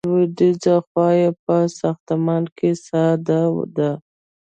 لویدیځه خوا یې په ساختمان کې ساده ده.